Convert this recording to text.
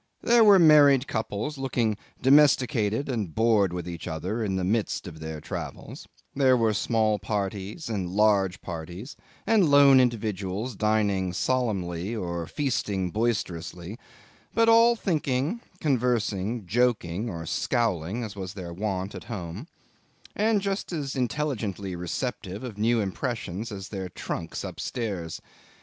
There were married couples looking domesticated and bored with each other in the midst of their travels; there were small parties and large parties, and lone individuals dining solemnly or feasting boisterously, but all thinking, conversing, joking, or scowling as was their wont at home; and just as intelligently receptive of new impressions as their trunks upstairs.